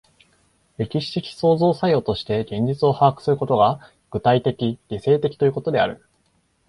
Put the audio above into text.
歴史的創造作用として現実を把握することが、具体的理性的ということである。